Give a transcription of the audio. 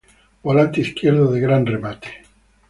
Volante izquierdo de gran remate.